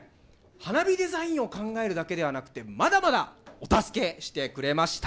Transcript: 花火デザインを考えるだけではなくてまだまだお助けしてくれました。